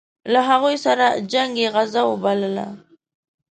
له هغوی سره جنګ یې غزا وبلله.